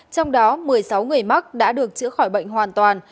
trong đó một mươi sáu người mắc đã được chữa khỏi bệnh hoàn toàn